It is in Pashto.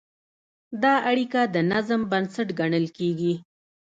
دا اړیکه د نظم بنسټ ګڼل کېږي.